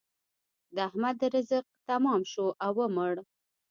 د احمد رزق تمام شو او ومړ.